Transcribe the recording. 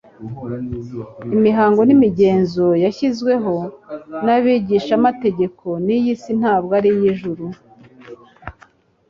Imihango n'imigenzo yashyizweho n'abigishamategeko ni iy'isi ntabwo ari iy'ijuru.